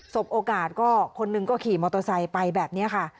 บโอกาสก็คนหนึ่งก็ขี่มอเตอร์ไซค์ไปแบบนี้ค่ะ